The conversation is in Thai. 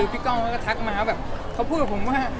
ใช่พี่ก้องก็ทักมาเขาพูดกับผมว่า